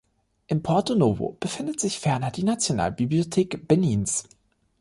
In Porto-Novo befindet sich ferner die Nationalbibliothek Benins.